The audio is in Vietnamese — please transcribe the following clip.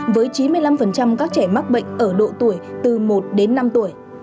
với chín mươi năm các trẻ mắc bệnh ở độ tuổi từ một đến năm tuổi